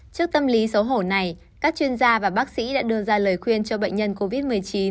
trước tâm lý xấu hổ này các chuyên gia và bác sĩ đã đưa ra lời khuyên cho bệnh nhân covid một mươi chín